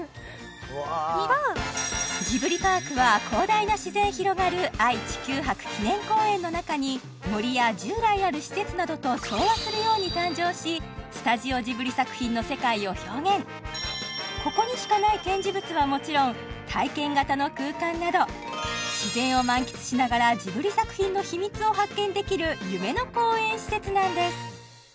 ジブリパークは広大な自然広がる愛・地球博記念公園の中に森や従来ある施設などと調和するように誕生しここにしかない展示物はもちろん体験型の空間など自然を満喫しながらジブリ作品の秘密を発見できる夢の公園施設なんです